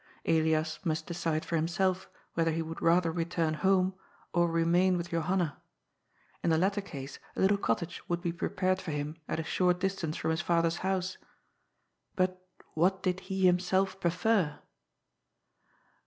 Elias must decide for himself whether he would rather return home or remain with Johanna. In the latter case a little cottage would be prepared for him at a short distance from his father's house. But what did he himself prefer?